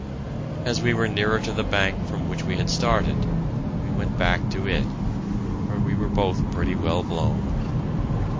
As we were nearer to the bank from which he had started, we went back to it, for we were both pretty well blown.